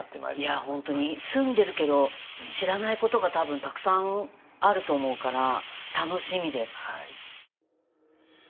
いや本当に住んでるけど知らないことが多分たくさんあると思うから楽しみです。